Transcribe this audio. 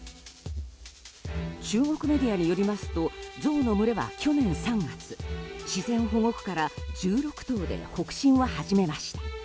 中国メディアによりますとゾウの群れは、去年３月自然保護区から１６頭で北進を始めました。